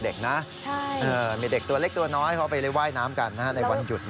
เด็กนะมีเด็กตัวเล็กตัวน้อยเขาไปว่ายน้ำกันในวันหยุด